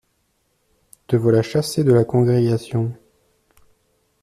Te voilà chassé de la Congrégation.